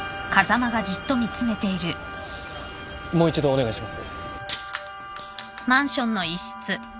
もう一度お願いします。